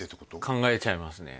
考えちゃいますね